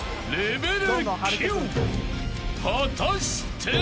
［果たして？］